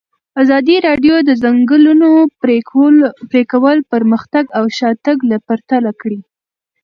ازادي راډیو د د ځنګلونو پرېکول پرمختګ او شاتګ پرتله کړی.